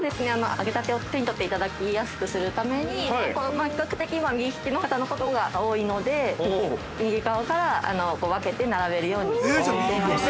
揚げたてを手に取っていただきやすくするために、比較的右利きの方が多いので、右側から分けて並べるようにしています。